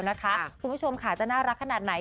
นะคะคุณผู้ชมข้าจะน่ารักขนาดไหน